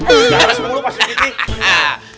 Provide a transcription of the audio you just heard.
jangan sepung lu mas rikiti